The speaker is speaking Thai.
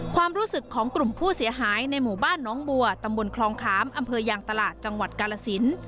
ความรู้สึกของกลุ่มผู้เสียหายในหมู่บ้านน้องบัวตำบลคลองขามอำเภอยางตลาดจังหวัดกาลสิน